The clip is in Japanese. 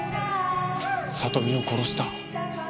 里美を殺した。